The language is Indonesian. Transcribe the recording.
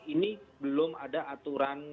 ini belum ada aturan